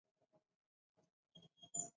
ته چا خبره کړې چې زه د دې غم ليدو تحمل لرم.